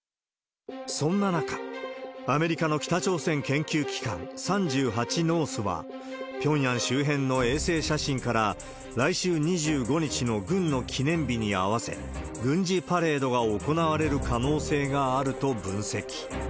そんな中、アメリカの北朝鮮研究機関、３８ノースは、ピョンヤン周辺の衛星写真から、来週２５日の軍の記念日に合わせ、軍事パレードが行われる可能性があると分析。